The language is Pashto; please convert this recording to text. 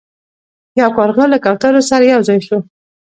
یو کارغه له کوترو سره یو ځای شو.